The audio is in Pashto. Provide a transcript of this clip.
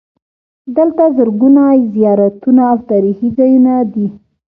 دلته زرګونه زیارتونه او تاریخي ځایونه دي.